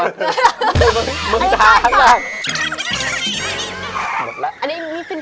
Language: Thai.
อันนี้มีควรรบจุดแบบรอกโน้นเนี่ยนะ